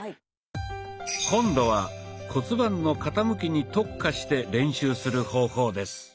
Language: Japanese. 今度は骨盤の傾きに特化して練習する方法です。